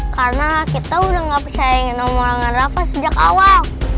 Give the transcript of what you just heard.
karena kita udah gak percaya ngomong sama rafa sejak awal